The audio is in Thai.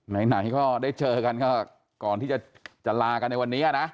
ไหนก็ได้เจอกันก็ก่อนที่จะลากันในวันนี้นะ